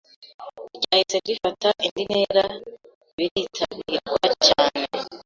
ryahise rifata indi ntera biritabirwa cyane